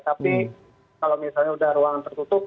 tapi kalau misalnya sudah ruangan tertutup